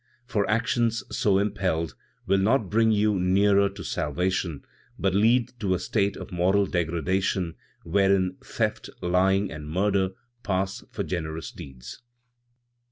"For actions, so impelled, will not bring you nearer to salvation, but lead to a state of moral degradation wherein theft, lying and murder pass for generous deeds."